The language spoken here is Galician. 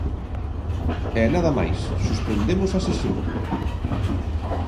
E nada máis, suspendemos a sesión.